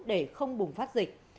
để không bùng phát dịch